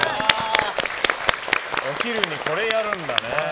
お昼にこれやるんだね。